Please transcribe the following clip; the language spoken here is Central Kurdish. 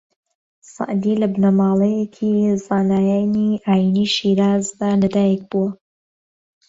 سەعدی لە بنەماڵەیەکی زانایانی ئایینی لە شیرازدا لە دایک بووە